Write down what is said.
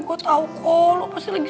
dia sudah selesai